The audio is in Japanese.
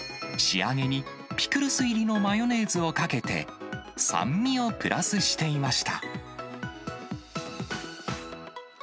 仕上げに、ピクルス入りのマヨネーズをかけて、酸味をプラスしていました。